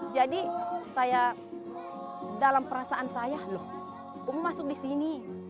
jadi saya dalam perasaan saya loh aku mau masuk di sini